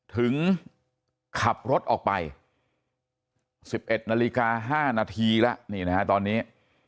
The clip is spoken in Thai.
ถึงขับรถออกไป๑๑นาฬิกา๕นาทีแล้วนี่นะฮะตอนนี้